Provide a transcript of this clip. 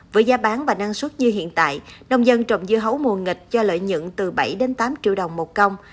với giá bán và năng suất như hiện tại nông dân trồng dưa hấu mùa nghịch cho lợi nhận từ bảy tám triệu đồng một công